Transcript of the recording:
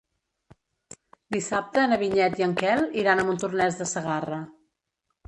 Dissabte na Vinyet i en Quel iran a Montornès de Segarra.